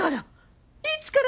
いつから？